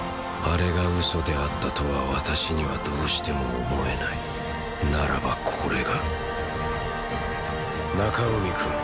あれがウソであったとは私にはどうしても思えないならばこれが中海君